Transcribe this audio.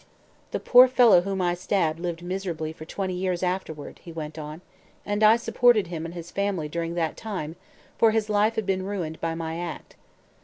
"The poor fellow whom I stabbed lived miserably for twenty years afterward," he went on, "and I supported him and his family during that time, for his life had been ruined by my act.